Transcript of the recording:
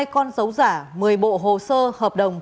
hai con dấu giả một mươi bộ hồ sơ hợp đồng